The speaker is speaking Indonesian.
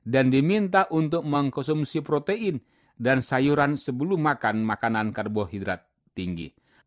dan diminta untuk mengkonsumsi protein dan sayuran sebelum makan makanan karbohidrat tinggi